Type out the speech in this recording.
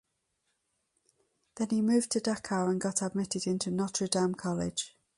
Then he moved to Dhaka and got admitted into Notre Dame College.